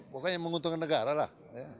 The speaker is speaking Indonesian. pokoknya menguntungkan negara lah